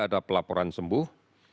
ada pelaporan sembuh